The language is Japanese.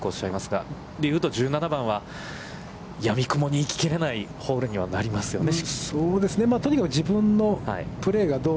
それで言うと、１７番はやみくもに行ききれないホールにはなりますよね。